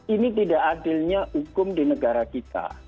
ini tidak adilnya hukum di negara kita